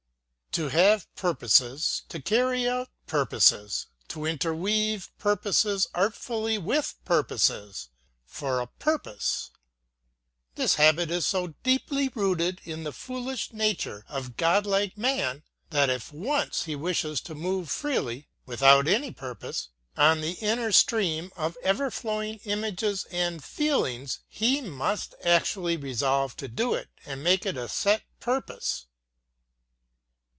To have purposes, to carry out purposes, to interweave purposes artfully with purposes for a purpose: this habit is so deeply rooted in the foolish nature of godlike man, that if once he wishes to move freely, without any purpose, on the inner stream of ever flowing images and feelings, he must actually resolve to do it and make it a set purpose.